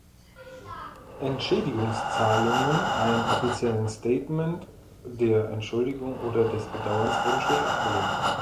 Entschädigungszahlungen, ein offiziellen Statement der Entschuldigung oder des Bedauerns wurden stets abgelehnt.